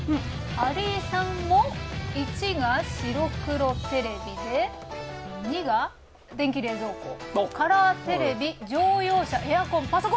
有井さんも①が白黒テレビで②が電気冷蔵庫カラーテレビ乗用車エアコンパソコン。